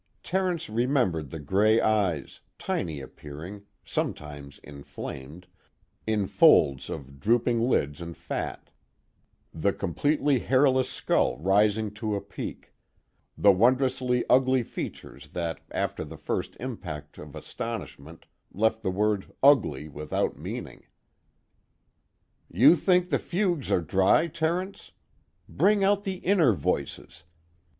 Terence remembered the gray eyes, tiny appearing, sometimes inflamed, in folds of drooping lids and fat, the completely hairless skull rising to a peak, the wondrously ugly features that after the first impact of astonishment left the word "ugly" without meaning. "You think the Fugues are dry, Terence? Bring out the inner voices....